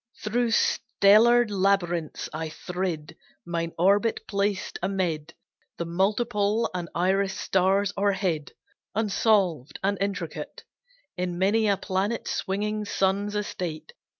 Through stellar labyrinths I thrid Mine orbit placed amid The multiple and irised stars, or hid, Unsolved and intricate, In many a planet swinging sun's estate.